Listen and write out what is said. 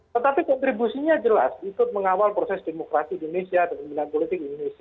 tetapi kontribusinya jelas ikut mengawal proses demokrasi indonesia dan pembinaan politik indonesia